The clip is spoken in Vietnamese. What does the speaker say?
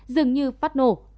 dường như phát nổ